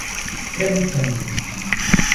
Camutanga